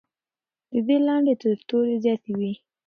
د دې لنډۍ تر تورې زیاتې وې.